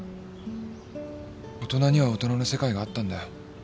大人には大人の世界があったんだよ。